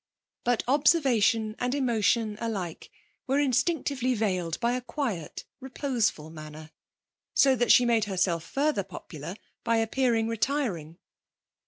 But observation and emotion alike were instinctively veiled by a quiet, reposeful manner, so that she made herself further popular by appearing retiring.